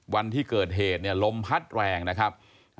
วันที่เกิดเหตุเนี่ยลมพัดแรงนะครับ